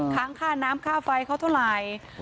ค้างค่าน้ำค่าไฟเขาเท่าไหร่